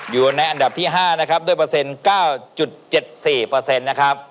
อยู่ในอันดับที่๕นะครับด้วยเปอร์เซ็นต์๙๗๔นะครับ